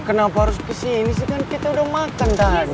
kenapa harus kesini sih kan kita udah makan tadi